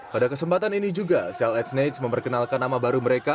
pada kesempatan ini juga cls knights memperkenalkan nama baru mereka